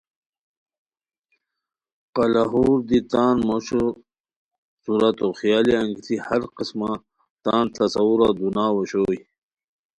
قلاہور دی تان موشو صورتو خیالی انگیتی ہر قسمہ تان تصورہ دوناؤ اوشوئے